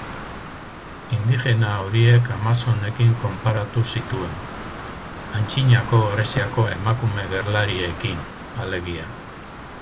Indigena horiek amazonekin konparatu zituen, Antzinako Greziako emakume gerlariekin, alegia.